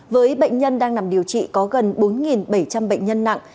với bệnh nhân đang nằm điều trị có gần bốn bảy trăm linh bệnh nhân nặng